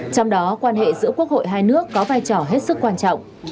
trong đó quan hệ giữa quốc hội hai nước có vai trò hết sức quan trọng